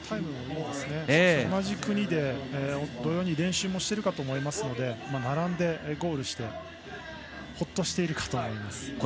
同じ組で同様に練習もしているかと思いますので並んでゴールしてほっとしているかと思います。